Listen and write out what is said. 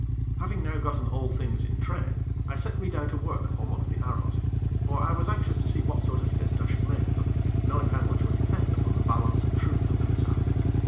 Having now gotten all things in train, I set me down to work upon one of the arrows; for I was anxious to see what sort of a fist I should make of them, knowing how much would depend upon the balance and truth of the missile.